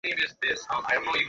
ওকে গুলি করে দে।